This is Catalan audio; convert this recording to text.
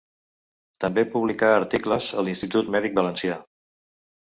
També publicà articles a l'Institut Mèdic Valencià.